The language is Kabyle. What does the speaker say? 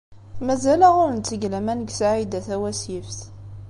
Mazal-aɣ ur ntteg laman deg Saɛida Tawasift.